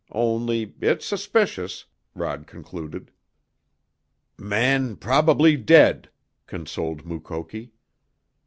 Only it's suspicious," Rod concluded. "Man probably dead," consoled Mukoki.